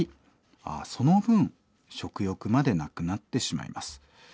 あ「その分食欲までなくなってしまいます。